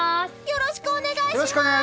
よろしくお願いします！